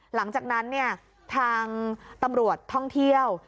หลังจากนั้นเนี่ยทางตำรวจท่องเที่ยว